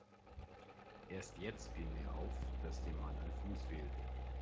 Erst jetzt fiel mir auf, dass dem Mann ein Fuß fehlte.